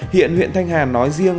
hiện huyện thanh hàn nói riêng